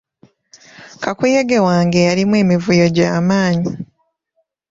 Kakuyege wange yalimu emivuyo gy'amaanyi.